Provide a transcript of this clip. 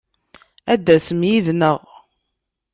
Ad d-tasem yid-neɣ!